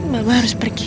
mama harus pergi